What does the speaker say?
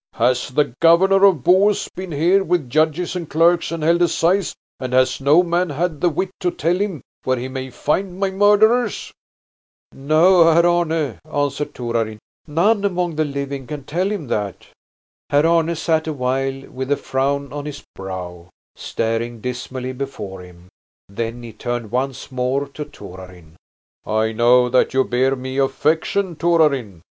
Has the Governor of Bohus been here with judges and clerks and held assize and has no man had the wit to tell him where he may find my murderers?" "No, Herr Arne," answered Torarin. "None among the living can tell him that." Herr Arne sat awhile with a frown on his brow, staring dismally before him. Then he turned once more to Torarin. "I know that you bear me affection, Torarin.